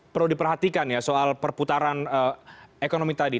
perlu diperhatikan ya soal perputaran ekonomi tadi